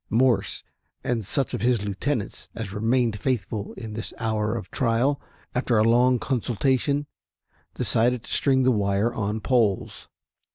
Morse and such of his lieutenants as remained faithful in this hour of trial, after a long consultation, decided to string the wire on poles.